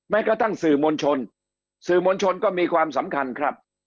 กระทั่งสื่อมวลชนสื่อมวลชนก็มีความสำคัญครับ